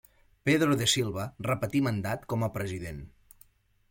Pedro de Silva repetí mandat com a president.